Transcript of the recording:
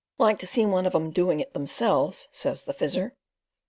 "Like to see one of 'em doing it 'emselves," says the Fizzer.